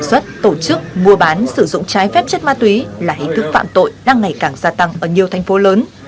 sản xuất tổ chức mua bán sử dụng trái phép chất ma túy là hình thức phạm tội đang ngày càng gia tăng ở nhiều thành phố lớn